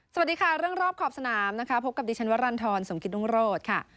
สวัสดีค่ะเรื่องรอบขอบสนามนะคะพบกับดิฉันวรรณฑรสมกิตรุงโรธค่ะ